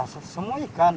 ya semua ikan